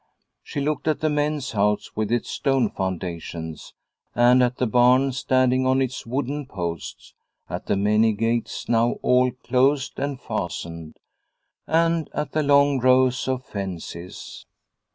She looked at the men's house with its stone foundations, and at the barn standing on its wooden posts, at the many gates now all closed and fastened, and at the long rows of fences.